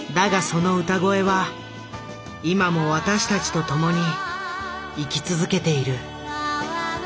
その歌声は今も私たちと共に生き続けている。